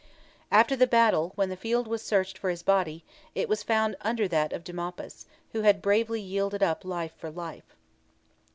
After the battle, when the field was searched for his body, it was found under that of de Maupas, who had bravely yielded up life for life.